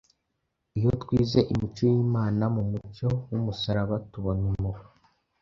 Iyo twize imico y’Imana mu mucyo w’umusaraba tubona impuhwe,